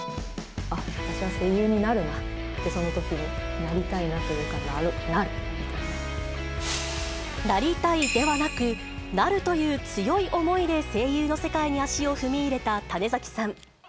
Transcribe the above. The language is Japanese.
あっ、私は声優になるなって、そのときに、なりたいなというか、なりたいではなく、なるという強い思いで声優の世界に足を踏み入れた種崎さん。